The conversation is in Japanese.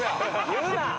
言うな！